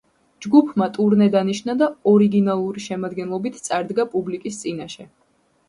ჯგუფმა ტურნე დანიშნა და ორიგინალური შემადგენლობით წარდგა პუბლიკის წინაშე.